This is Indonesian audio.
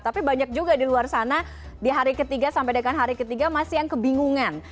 tapi banyak juga di luar sana di hari ketiga sampai dengan hari ketiga masih yang kebingungan